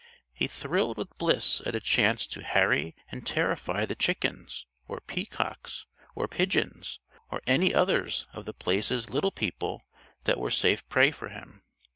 He thrilled with bliss at a chance to harry and terrify the chickens or peacocks or pigeons or any others of The Place's Little People that were safe prey for him.